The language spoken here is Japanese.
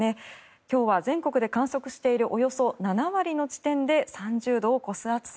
今日は全国で観測しているおよそ７割の地点で３０度を超す暑さ。